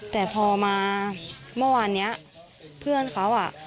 แต่พอมาเมื่อวานนี้เพื่อนเขาอ่ะ